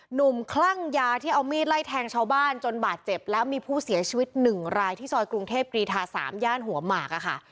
คลั่งยาที่เอามีดไล่แทงชาวบ้านจนบาดเจ็บและมีผู้เสียชีวิต๑รายที่ซอยกรุงเทพกรีธา๓ย่านหัวหมากอะค่ะ